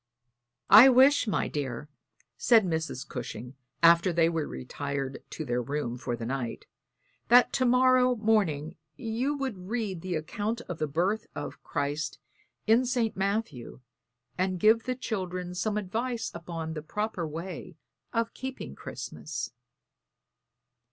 "I wish, my dear," said Mrs. Cushing, after they were retired to their room for the night, "that to morrow morning you would read the account of the birth of Christ in St. Matthew, and give the children some advice upon the proper way of keeping Christmas."